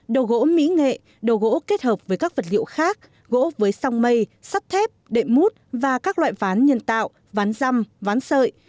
đồ gỗ mỹ nghệ đồ gỗ kết hợp với các vật liệu khác gỗ với song mây sắt thép đệm mút và các loại ván nhân tạo ván răm ván sợi